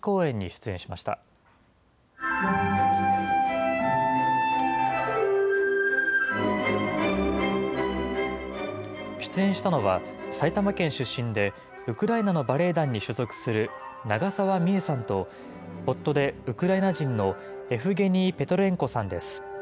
出演したのは、埼玉県出身で、ウクライナのバレエ団に所属する長澤美絵さんと、夫でウクライナ人のエフゲニー・ペトレンコさんです。